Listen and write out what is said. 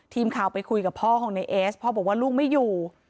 ทีมข่าวไปคุยกับพ่อของในเอสพ่อบอกว่าลูกไม่อยู่